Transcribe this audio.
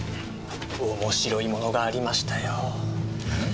面白いものがありましたよ。え？